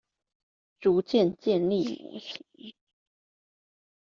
逐漸建立模型